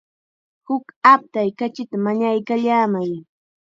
Huk aptay kachita mañaykallamay.